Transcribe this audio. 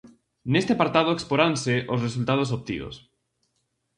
Neste apartado exporanse os resultados obtidos.